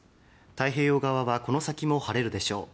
太平洋側はこの先も晴れるでしょう。